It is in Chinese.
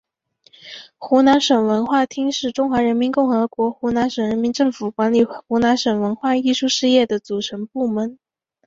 湖南省文化厅是中华人民共和国湖南省人民政府管理湖南省文化艺术事业的组成部门。